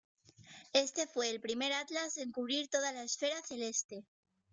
Este fue el primer atlas en cubrir toda la esfera celeste.